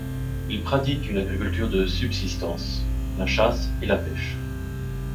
Ils pratiquent une agriculture de subsistance, la chasse et la pêche.